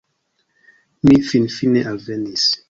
- Mi finfine alvenis